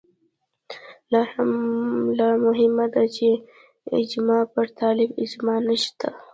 لا مهمه دا چې اجماع پر تعریف اجماع نشته